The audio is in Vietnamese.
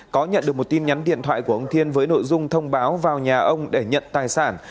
có nhận được một tin nhắn điện thoại của ông thiên với nội dung thông báo vào nhà ông để nhận tài sản